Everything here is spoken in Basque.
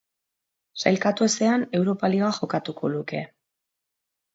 Sailkatu ezean, Europa Liga jokatuko luke.